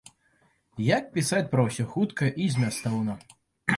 Як пісаць пра ўсё хутка і змястоўна.